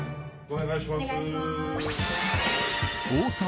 お願いします。